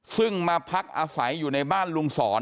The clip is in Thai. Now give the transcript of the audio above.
ซึ่งมาพักอาศัยอยู่ในบ้านลุงสอน